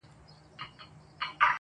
د ژوند د قدر تلاوت به هر سا کښ ته کوم,